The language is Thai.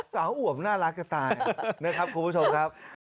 อวบน่ารักจะตายนะครับคุณผู้ชมครับ